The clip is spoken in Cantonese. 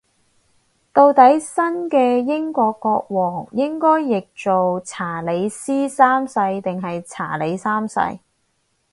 到底新嘅英國國王應該譯做查理斯三世定係查理三世